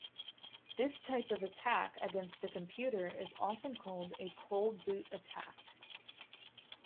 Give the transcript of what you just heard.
This type of attack against a computer is often called a cold boot attack.